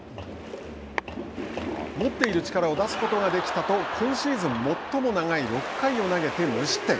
持っている力を出すことができたと今シーズン最も長い６回を投げて無失点。